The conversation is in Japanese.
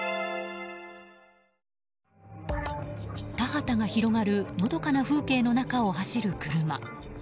田畑が広がるのどかな風景の中を走る車。